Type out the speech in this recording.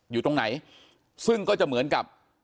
อยู่ตรงไหนซึ่งก็จะเหมือนกับ